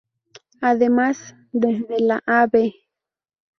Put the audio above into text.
Además, desde la Av.